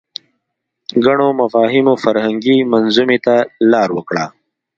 ګڼو مفاهیمو فرهنګي منظومې ته لاره وکړه